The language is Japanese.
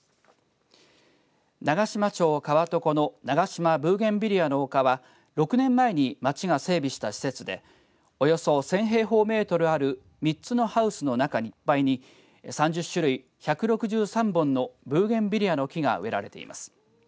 長島町川床の長島ブーゲンビリアの丘は６年前に町が整備した施設でおよそ１０００平方メートルある３つのハウスの中にいっぱいに３０種類１６３本のブーゲンビリアの木が植えられています。